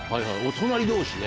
隣同士で。